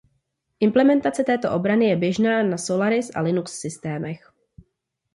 Implementace této obrany je běžná na Solaris a Linux systémech.